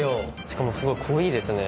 しかもすごい濃いですね。